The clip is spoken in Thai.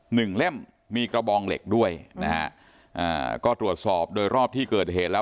เล่มมีกระบองเหล็กด้วยนะฮะอ่าก็ตรวจสอบโดยรอบที่เกิดเหตุแล้ว